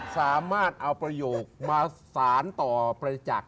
สามารถเอาประโยคมาสานต่อไปจาก